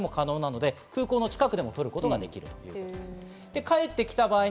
抗原検査でも可能なので空港の近くでも取ることができるということです。